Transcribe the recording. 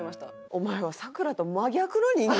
お前は咲楽と真逆の人間。